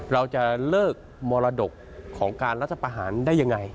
เราจะเลิกมรดกของการรัฐประหารได้ยังไง